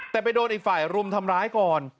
แต่ไปโดนอีกฝ่ายรุมทำร้ายก่อน